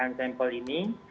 dalam proses pemilihan sampel ini